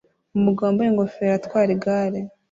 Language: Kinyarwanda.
Umugabo wambaye ingofero atwara igare